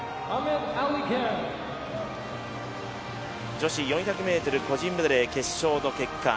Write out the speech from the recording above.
女子４００ｍ個人メドレー決勝の結果。